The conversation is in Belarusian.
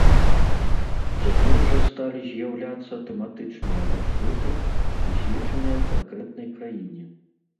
Цяпер жа сталі з'яўляцца тэматычныя маршруты, прысвечаныя канкрэтнай краіне.